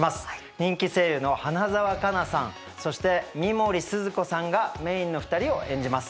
人気声優の花澤香菜さんそして三森すずこさんがメインの２人を演じます。